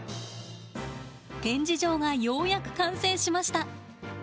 展示場がようやく完成しました。